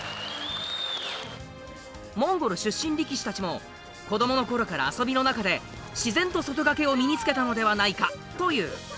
モンゴル出身力士たちも子供のころから遊びの中で自然と外掛けを身につけたのではないかという。